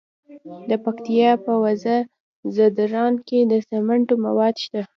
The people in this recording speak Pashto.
د پکتیا په وزه ځدراڼ کې د سمنټو مواد شته.